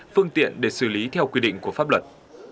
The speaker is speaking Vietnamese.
phương tiện để xử lý theo quy định của pháp luật